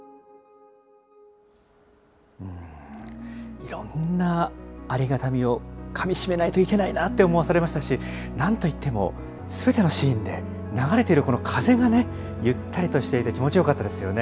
いろんなありがたみをかみしめないといけないなと思わされましたし、なんといってもすべてのシーンで流れているこの風がね、ゆったりとしていて、気持ちよかったですよね。